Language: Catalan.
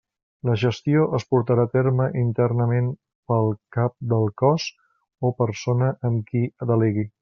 La gestió es portarà a terme internament pel Cap del Cos o persona en qui delegui.